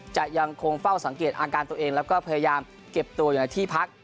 ยังคงเฝ้าสังเกตอาการตัวเองแล้วก็พยายามเก็บตัวอยู่ในที่พัก